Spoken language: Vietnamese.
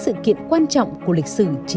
sự kiện quan trọng của lịch sử